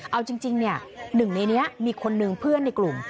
เอาจริงหนึ่งในนี้มีคนนึงเพื่อนในกลุ่ม